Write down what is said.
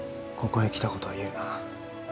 ここへ来たことは言うな